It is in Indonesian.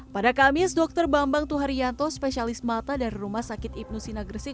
pada kamis dr bambang tuharyanto spesialis mata dari rumah sakit ibnu sina gresik